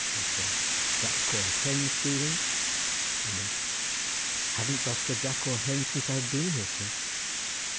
Myself.—Duck or hen stealing? Woman.—Haven't lost a duck or hen since I have been here, sir.